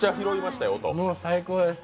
もう最高です。